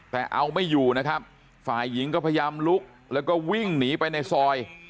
แต่เอาไม่อยู่นะครับฝ่ายหญิงก็พยายามลุกแล้วก็วิ่งหนีไปในซอย